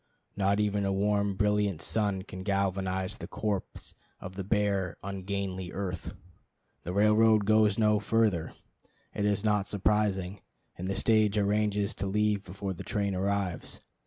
Not even a warm, brilliant sun can galvanize the corpse of the bare ungainly earth. The railroad goes no further, it is not surprising, and the stage arranges to leave before the train arrives.